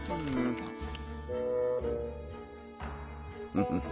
フフフ。